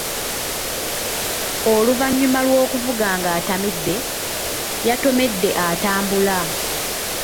Oluvannyuma lw'okuvuga ng'atamidde, yatomedde atambula.